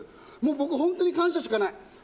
僕、本当に感謝しかない。